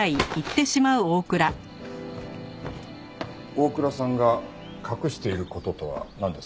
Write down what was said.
大倉さんが隠している事とはなんですか？